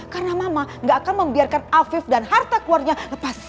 karena mama gak akan membiarkan afif dan harta kuarnya lepas